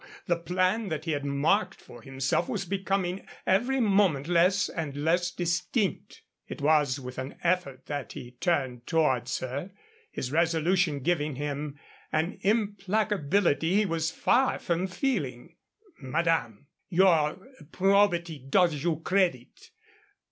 The plan that he had marked for himself was becoming every moment less and less distinct. It was with an effort that he turned towards her, his resolution giving him an implacability he was far from feeling. "Madame, your probity does you credit.